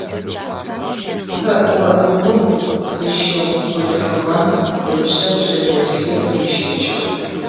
Пэӏо убгъу зыщыгъ хъулъфыгъэм ыпшъэ пшъэдэлъи къещэкӏыгъ.